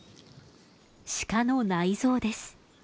シカの内臓です。